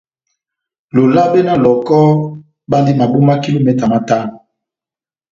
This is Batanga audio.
Lolabe na Lɔhɔkɔ bandi maboma kilometa matano.